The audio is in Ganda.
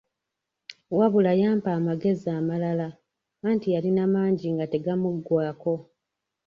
Wabula yampa amagezi amalala, anti yalina mangi nga tegamuggwaako.